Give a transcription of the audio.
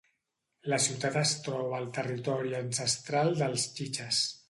La ciutat es troba al territori ancestral dels chichas.